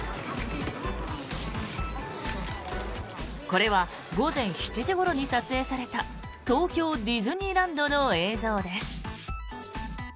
これは午前７時ごろに撮影された東京ディズニーランドの映像です。